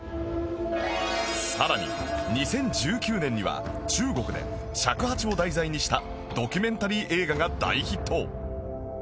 さらに２０１９年には中国で尺八を題材にしたドキュメンタリー映画が大ヒット